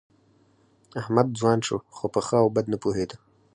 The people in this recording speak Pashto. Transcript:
احمد ځوان شو، خو په ښه او بد نه پوهېده.